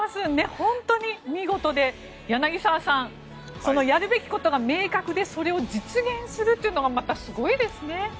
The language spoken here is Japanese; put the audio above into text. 本当に見事で、柳澤さんそのやるべきことが明確でそれを実現するというのがまたすごいですね。